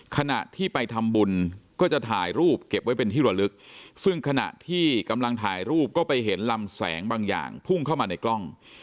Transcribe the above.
ขณะที่ไปทำบุญก็จะถ่ายรูปเก็บไว้เป็นที่ระลึกซึ่งขณะที่กำลังถ่ายรูปก็ไปเห็นลำแสงบางอย่างพุ่งเข้ามาในกล้อง